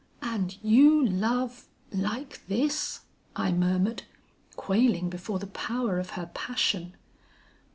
"'And you love like this ' I murmured, quailing before the power of her passion.